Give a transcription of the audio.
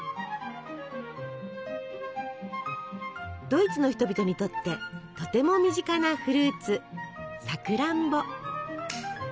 ドイツの人々にとってとても身近なフルーツさくらんぼ。